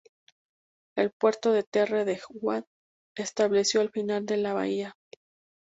El puerto de Terre-de-Haut se estableció al final de la bahía.